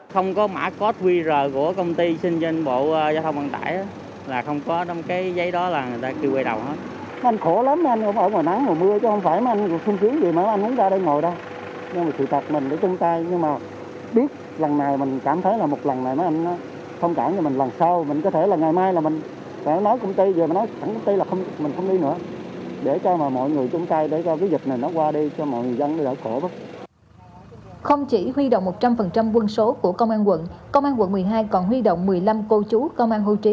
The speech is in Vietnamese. không chỉ huy động một trăm linh quân số của công an quận công an quận một mươi hai còn huy động một mươi năm cô chú công an hưu trí